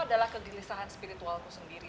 adalah kegelisahan spiritualku sendiri